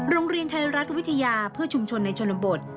โรงเรียนไทยรัฐวิทยาเพื่อชุมชนในชนบท